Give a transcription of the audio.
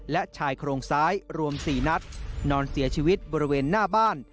และชายโครงซ้ายรวม๔นัดนอนเสียชีวิตบริเวณหน้าบ้าน